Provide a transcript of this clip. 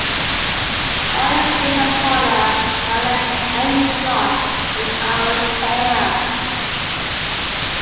Artist Guests of Honor were Alan M. Clark and Howard Tayler.